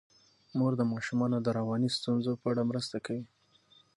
مور د ماشومانو د رواني ستونزو په اړه مرسته کوي.